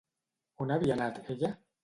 On havia anat ella?